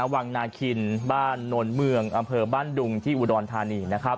วังนาคินบ้านโนนเมืองอำเภอบ้านดุงที่อุดรธานี